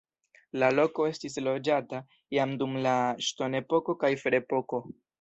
La loko estis loĝata jam dum la ŝtonepoko kaj ferepoko.